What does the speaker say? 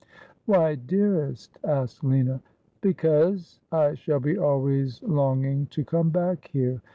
' Why, dearest T asked Lina. ' Because I shall be always longing to come back here.